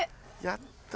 やった。